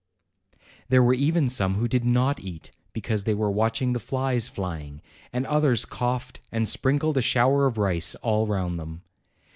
212 APRIL There were even some who did not eat, because they were watching the flies flying, and others coughed and sprinkled a shower of rice all around them.